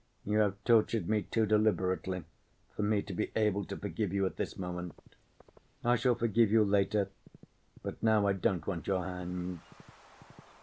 You have tortured me too deliberately for me to be able to forgive you at this moment. I shall forgive you later, but now I don't want your hand.